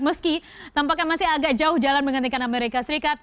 meski tampaknya masih agak jauh jalan menggantikan amerika serikat